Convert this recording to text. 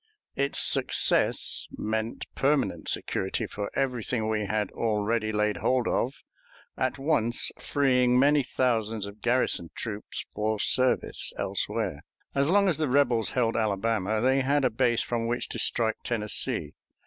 Its success meant permanent security for everything we had already laid hold of, at once freeing many thousands of garrison troops for service elsewhere. As long as the rebels held Alabama, they had a base from which to strike Tennessee.